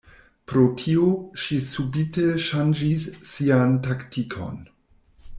Pro tio, ŝi subite ŝanĝis sian taktikon.